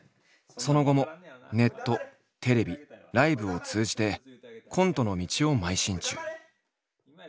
その後もネットテレビライブを通じてコントの道を邁進中。